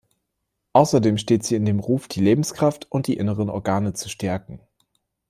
Außerdem steht sie in dem Ruf, die Lebenskraft und die inneren Organe zu stärken.